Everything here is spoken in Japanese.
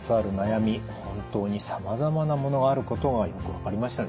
本当にさまざまなものがあることがよく分かりましたね。